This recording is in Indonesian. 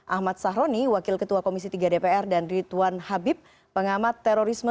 ahmad sahroni wakil ketua komisi tiga dpr dan ridwan habib pengamat terorisme